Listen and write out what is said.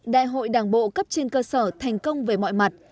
đại hội đảng bộ cấp trên cơ sở thành công về mọi mặt